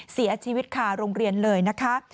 เสียชีวิตคาโรงเรียนเลยนะคะ